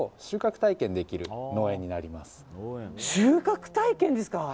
収穫体験ですか。